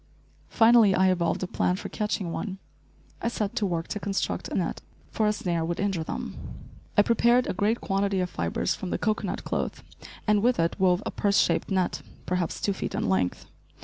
Finally I evolved a plan for catching one. I set to work to construct a net, for a snare would injure them. I prepared a great quantity of fibres from the cocoanut cloth, and with it wove a purse shaped net, perhaps two feet in length.